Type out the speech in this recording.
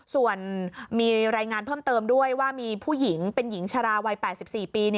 ส่วนมีรายงานเพิ่มเติมด้วยว่ามีผู้หญิงเป็นหญิงชราวัย๘๔ปี